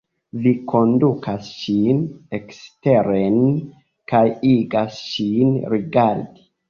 Vi kondukas ŝin eksteren kaj igas ŝin rigardi.